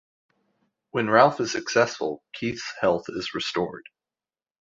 When Ralph is successful, Keith's health is restored.